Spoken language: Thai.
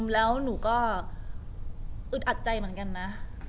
แล้วหนูก็อึดอัดใจเหมือนกันนะ